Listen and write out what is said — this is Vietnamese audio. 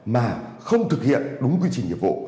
mà không thực hiện đúng quy trình nhiệm vụ